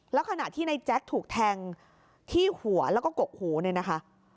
แล้วขณะที่ในแจ๊คถูกแทงที่หัวแล้วก็กกหูเนี่ยนะคะ